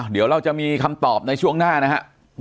เดี๋ยวเราจะมีคำตอบในช่วงหน้านะครับ